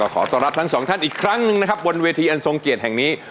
ขอต้อนรับทั้งสองท่านอีกครั้งหนึ่งนะครับบนเวทีอันทรงเกียรติแห่งนี้